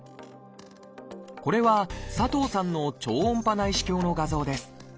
これは佐藤さんの超音波内視鏡の画像です。